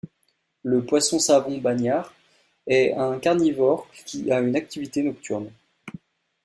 Le poisson savon bagnard est un carnivore qui a une activité nocturne.